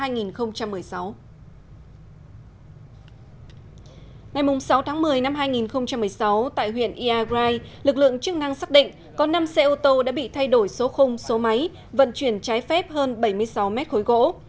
ngày sáu tháng một mươi năm hai nghìn một mươi sáu tại huyện iagrai lực lượng chức năng xác định có năm xe ô tô đã bị thay đổi số khung số máy vận chuyển trái phép hơn bảy mươi sáu mét khối gỗ